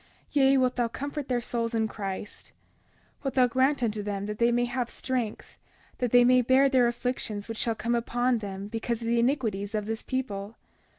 Yea, wilt thou comfort their souls in Christ. 31:33 Wilt thou grant unto them that they may have strength, that they may bear their afflictions which shall come upon them because of the iniquities of this people.